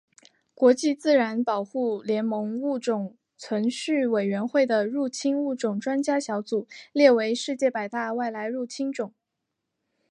国际自然保护联盟物种存续委员会的入侵物种专家小组列为世界百大外来入侵种。